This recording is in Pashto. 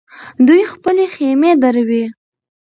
دوی خپلې خېمې دروي.